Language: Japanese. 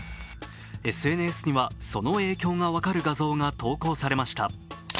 ＳＮＳにはその影響が分かる画像が投稿されました。